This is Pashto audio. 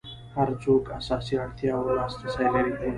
هر څوک اساسي اړتیاوو لاس رسي ولري.